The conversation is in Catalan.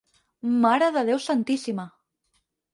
Mare de Déu santíssima!